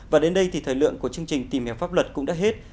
và đến đây thì thời lượng của chương trình tìm hiểu pháp luật cũng đã hết